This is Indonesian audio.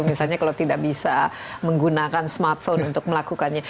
misalnya kalau tidak bisa menggunakan smartphone untuk melakukannya